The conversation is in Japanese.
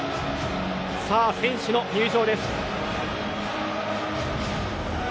さあ、選手の入場です。